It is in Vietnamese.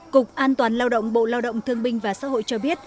cục an toàn lao động bộ lao động thương binh và xã hội cho biết